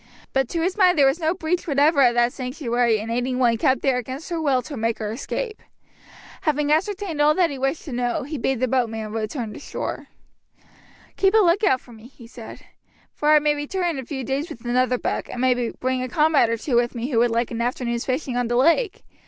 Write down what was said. But to his mind there was no breach whatever of that sanctuary in aiding one kept there against her will to make her escape. Having ascertained all that he wished to know, he bade the boatman return to shore. "Keep a lookout for me," he said, "for I may return in a few days with another buck, and may bring a comrade or two with me who would like an afternoon's fishing on the lake.